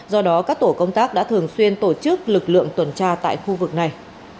do đó các tổ công tác đã thường xuyên tổ chức lực lượng tuần tra tại khu vực này